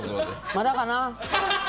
まだかな？